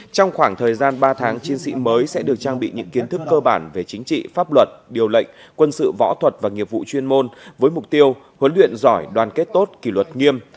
trong khoảng thời gian ba tháng chiến sĩ mới sẽ được trang bị những kiến thức cơ bản về chính trị pháp luật điều lệnh quân sự võ thuật và nghiệp vụ chuyên môn với mục tiêu huấn luyện giỏi đoàn kết tốt kỷ luật nghiêm